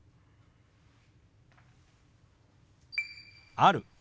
「ある」。